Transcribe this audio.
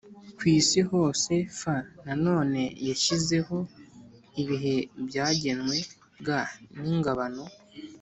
ku isi hose f Nanone yashyizeho ibihe byagenwe g n ingabano